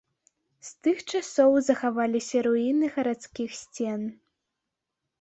З тых часоў захаваліся руіны гарадскіх сцен.